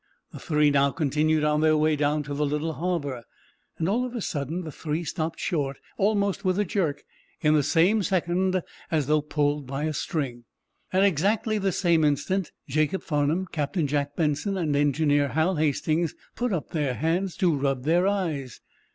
The three now continued on their way down to the little harbor. All of a sudden the three stopped short, almost with a jerk, in the same second, as though pulled by a string. At exactly the same instant Jacob Farnum, Captain Jack Benson and Engineer Hal Hastings put up their hands to rub their eyes.